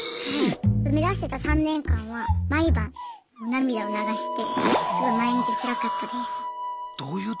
目指してた３年間は毎晩涙を流してすごい毎日つらかったです。